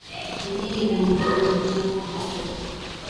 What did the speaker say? Ni jiji lenye ngome iliyojengwa kabla ya kuwasili kwa Wareno